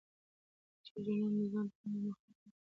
جنرالانو د ځان ترمنځ مخالفت درلود.